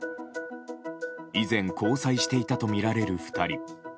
以前交際していたとみられる２人。